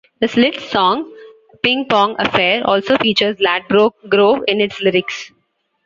The Slits song "Ping Pong Affair" also features Ladbroke Grove in its lyrics.